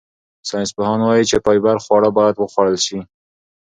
ساینسپوهان وايي چې فایبر خواړه باید وخوړل شي.